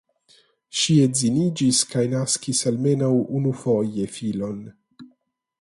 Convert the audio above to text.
Ŝi edziniĝis kaj naskis almenaŭ unufoje filon.